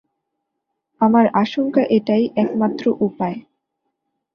আমার আশঙ্কা এটাই একমাত্র উপায়।